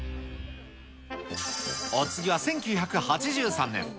お次は１９８３年。